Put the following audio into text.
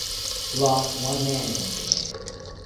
Lost one man yesterday.